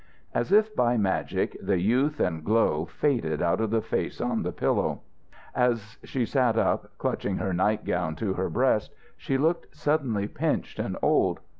As if by magic the youth and glow faded out of the face on the pillow. As she sat up, clutching her nightgown to her breast, she looked suddenly pinched and old.